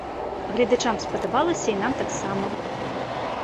Гледачам спадабалася і нам таксама.